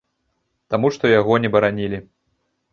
Таму што яго не баранілі.